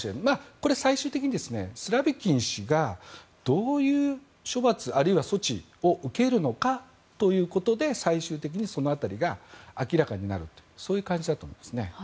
これは最終的にスロビキン氏がどういう処罰あるいは措置を受けるのかということで最終的に、その辺りが明らかになるという感じだと思います。